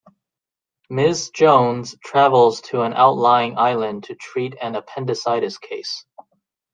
Miss Jones travels to an outlying island to treat an appendicitis case.